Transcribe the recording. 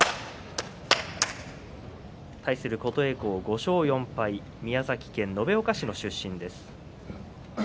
対する琴恵光、５勝４敗宮崎県延岡市の出身です。